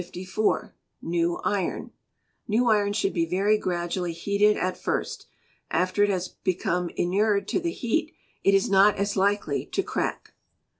New Iron should be very gradually heated at first. After it has become inured to the heat, it is not as likely to crack.